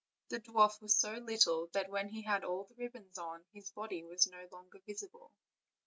The dwarf was so little that, when he had all those ribbons on, his body was no longer visible.